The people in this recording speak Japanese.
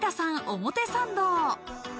表参道。